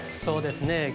そうですね